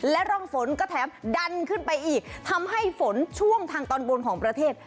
และร่องฝนก็แถมดันขึ้นไปอีกทำให้ฝนช่วงทางตอนบนของประเทศ